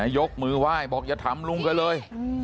ยกมือไหว้บอกอย่าทำลุงกันเลย